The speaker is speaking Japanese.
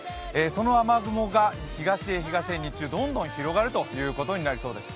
その雨雲が東へ東へ日中どんどん広がることになりそうです。